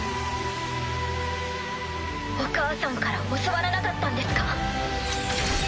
お母さんから教わらなかったんですか？